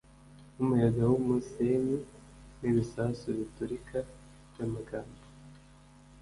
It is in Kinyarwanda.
nkumuyaga wumusenyi nibisasu biturika byamagambo ,,,